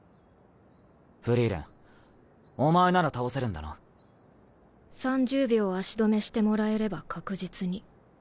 フリーレンお前なら倒せるんだな？３０秒足止めしてもらえれば確実に。